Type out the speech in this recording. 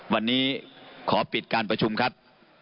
วันนี้ขอปิดการประชุมครับ